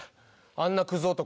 あんなクズ男